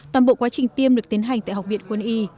toàn bộ quá trình tiêm được tiến hành tại học viện quân y